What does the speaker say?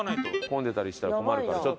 混んでたりしたら困るから。